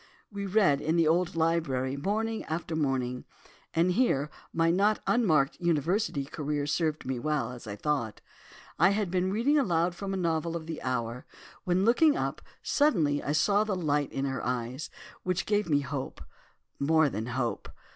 We read in the old library, morning after morning, and here my not unmarked university career served me well, as I thought. I had been reading aloud from a novel of the hour, when, looking up suddenly I saw a light in her eyes, which gave me hope, more than hope.